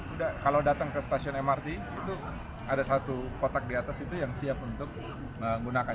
udah kalau datang ke stasiun mrt itu ada satu kotak di atas itu yang siap untuk menggunakan